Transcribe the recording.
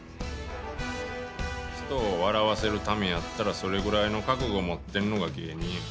人を笑わせるためやったらそれぐらいの覚悟持ってんのが芸人や。